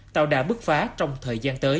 tạo đại bước phá trong thời gian tới